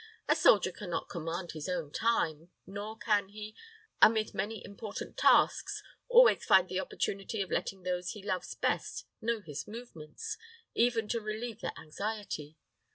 A soldier can not command his own time, nor can he, amid many important tasks, always find the opportunity of letting those he loves best know his movements, even to relieve their anxiety.